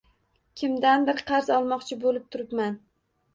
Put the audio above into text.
Kimdandir qarz olmoqchi boʻlib turibman.